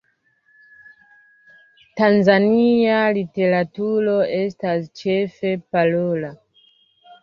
Tanzania literaturo estas ĉefe parola.